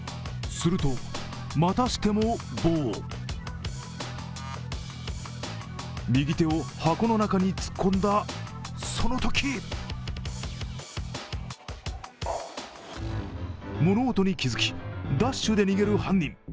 すると、またしても棒を右手を箱の中に突っ込んだ、そのとき物音に気づき、ダッシュで逃げる犯人。